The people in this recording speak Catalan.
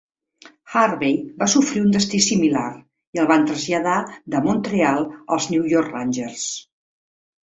Harvey va sofrir un destí similar i el van traslladar de Montreal als New York Rangers.